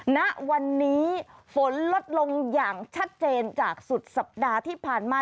ณวันนี้ฝนลดลงอย่างชัดเจนจากสุดสัปดาห์ที่ผ่านมา